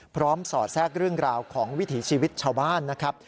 สอดแทรกเรื่องราวของวิถีชีวิตชาวบ้านนะครับ